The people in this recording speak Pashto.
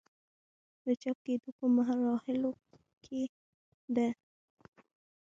د چاپ کيدو پۀ مراحلو کښې ده